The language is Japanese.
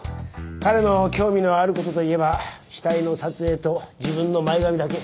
彼の興味のあることといえば死体の撮影と自分の前髪だけ。